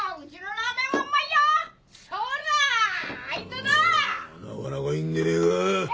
なかなかいいんでねぇか？